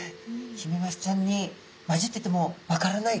ヒメマスちゃんに交じってても分からないっていう。